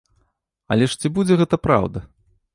Але ж ці будзе гэта праўда?